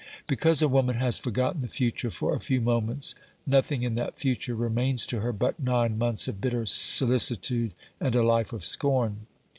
Because a woman has forgotten the future for a few moments, nothing in that future remains to her but nine months of bitter solicitude and a life of scorn.